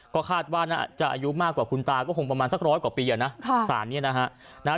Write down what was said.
ก็คาดว่าจะอายุมากกว่าคุณตาก็คงประมาณสัก๑๐๐กว่าปีละนะ